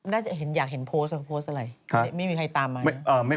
น่าจะอยากเห็นโพสต์โพสต์อะไร